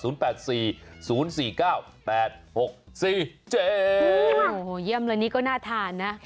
เยี่ยมแล้วนี่ก็น่าทานนะ